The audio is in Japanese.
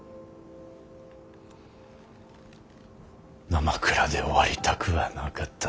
なまくらで終わりたくはなかった。